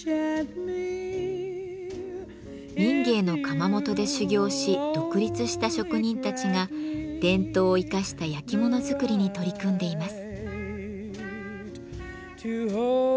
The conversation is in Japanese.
民藝の窯元で修業し独立した職人たちが伝統を生かしたやきもの作りに取り組んでいます。